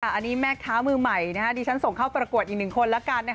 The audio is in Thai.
อันนี้แม่ค้ามือใหม่ดิฉันส่งเข้าประกวดอีกหนึ่งคนละกัน